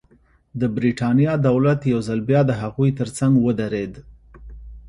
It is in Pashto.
د برېټانیا دولت یو ځل بیا د هغوی ترڅنګ ودرېد.